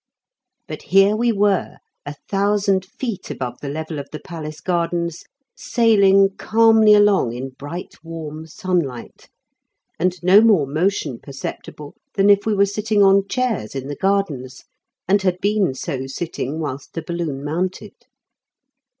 But here we were a thousand feet above the level of the Palace gardens, sailing calmly along in bright warm sunlight, and no more motion perceptible than if we were sitting on chairs in the gardens, and had been so sitting whilst the balloon mounted.